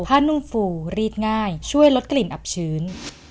นุ่มฟูรีดง่ายช่วยลดกลิ่นอับชื้น